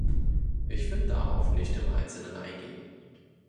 Ich will darauf nicht im einzelnen eingehen.